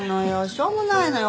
しょうもないのよ。